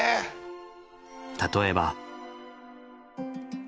例えば。